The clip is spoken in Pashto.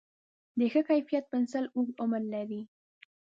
د ښه کیفیت پنسل اوږد عمر لري.